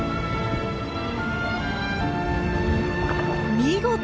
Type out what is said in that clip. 見事！